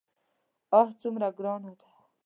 آه څومره ګرانه ده.